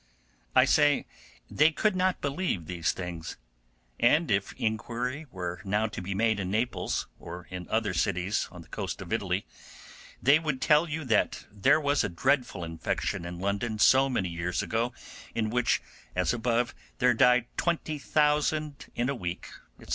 I say they could not believe these things; and if inquiry were now to be made in Naples, or in other cities on the coast of Italy, they would tell you that there was a dreadful infection in London so many years ago, in which, as above, there died twenty thousand in a week, &c.